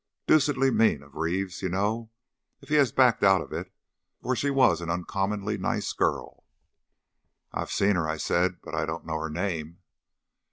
Deucedly mean of Reeves, you know, if he has backed out of it, for she was an uncommonly nice girl." "I've seen her," I said; "but I don't know her name."